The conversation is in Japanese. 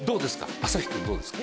朝日くんどうですか？